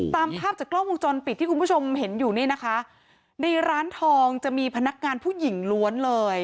ตามภาพจากกล้องวงจรปิดที่คุณผู้ชมเห็นอยู่นี่นะคะในร้านทองจะมีพนักงานผู้หญิงล้วนเลย